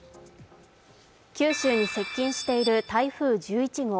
九州に接近している台風１１号。